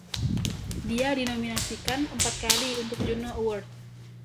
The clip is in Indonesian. Dia dinominasikan empat kali untuk Juno Award.